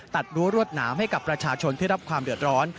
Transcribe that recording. รั้วรวดหนามให้กับประชาชนที่รับความเดือดร้อน